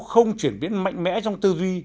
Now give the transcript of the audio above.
không chuyển biến mạnh mẽ trong tư duy